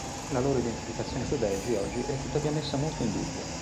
La loro identificazione coi belgi oggi è tuttavia messa molto in dubbio.